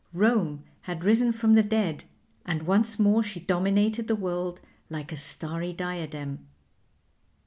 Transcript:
Rome had risen from the dead, and once more she dominated the world like a starry diadem.